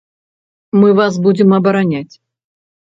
Мы вас будзем абараняць.